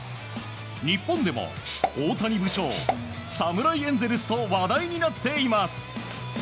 日本でも大谷武将、侍エンゼルスと話題になっています。